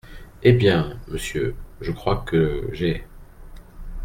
Eh bien, monsieur, je crois que j’ai…